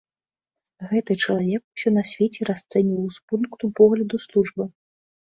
Гэты чалавек усё на свеце расцэньваў з пункту погляду службы.